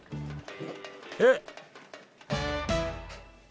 えっ！